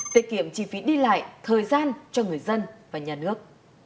tiết kiệm chi phí đi lại thời gian cho người dân và nhà nước